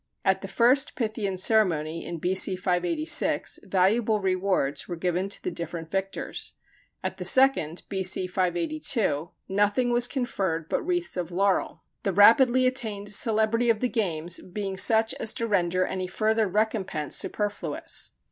At the first Pythian ceremony (in B.C. 586), valuable rewards were given to the different victors; at the second (B.C. 582), nothing was conferred but wreaths of laurel the rapidly attained celebrity of the games being such as to render any further recompense superfluous.